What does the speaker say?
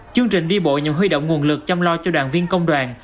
chương trình đi bộ nhằm huy động nguồn lực chăm lo cho đoàn viên công đoàn